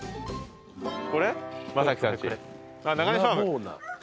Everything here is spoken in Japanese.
これ？